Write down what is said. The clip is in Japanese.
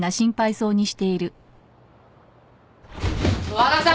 ・和田さん！